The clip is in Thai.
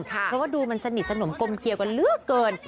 เพราะว่าดูมันสนิทสนมกลมเกียวกันเลือกเกิน